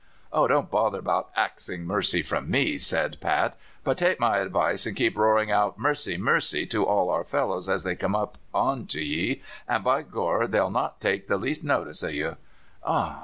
"Oh, don't bother about axing mercy from me," said Pat; "but take my advice and keep roaring out 'Mercy! mercy!' to all our fellows as they come up to ye, and, by Gor! they'll not take the least notice of you." "Ah!